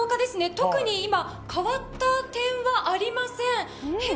特に今変わった点はありません。